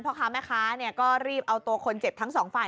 พ่อค้าแม่ค้าก็รีบเอาตัวคนเจ็บทั้งสองฝ่าย